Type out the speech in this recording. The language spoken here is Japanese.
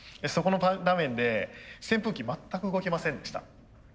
そこの場面で扇風機全く動きませんでした。